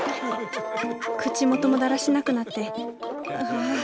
口元もだらしなくなってああ